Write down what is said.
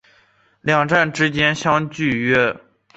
两站之间相距约。